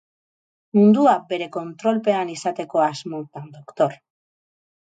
Mundua bere kontrolpean izateko asmotan, Dr.